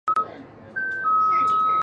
适应症包含妊娠高血压以及。